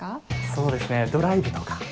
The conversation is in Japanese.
そうですねドライブとか。